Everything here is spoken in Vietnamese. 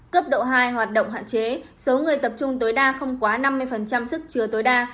cấp độ hai hoạt động hạn chế số người tập trung tối đa không quá năm mươi sức chứa tối đa